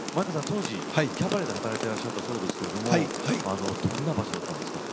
当時キャバレーで働いてらっしゃったそうですけれどもどんな場所だったんですか？